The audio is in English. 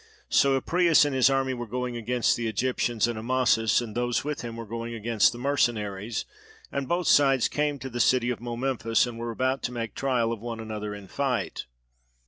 So Apries and his army were going against the Egyptians, and Amasis and those with him were going against the mercenaries; and both sides came to the city of Momemphis and were about to make trial of one another in fight.